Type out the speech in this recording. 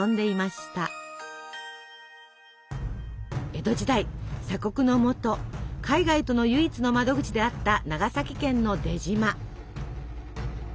江戸時代鎖国のもと海外との唯一の窓口であった長崎県の出島。